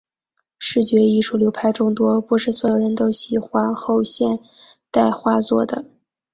视觉艺术流派众多，不是所有人都喜欢后现代画作的。